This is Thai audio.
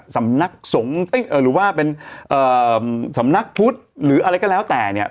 สำนักสงฆ์หรือว่าเป็นสำนักพุทธหรืออะไรก็แล้วแต่เนี่ย